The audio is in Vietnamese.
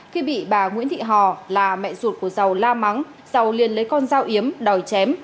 khi bị bà nguyễn thị hò là mẹ ruột của giàu la mắng dầu liền lấy con dao yếm đòi chém